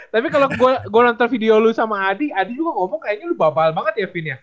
tapi kalau gue nonton video lo sama adi adi juga ngomong kayaknya lu babal banget ya fin ya